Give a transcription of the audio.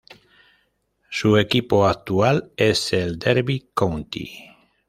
Su equipo actual es el Derby County.